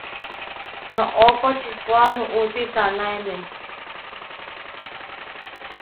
Noʼó koʼčipua nuʼúti tanaemé.